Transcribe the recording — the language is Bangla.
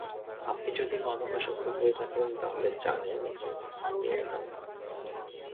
আপনি যদি মাদকাসক্ত হয়ে থাকেন, তাহলে জানেন যে আপনি একা নন।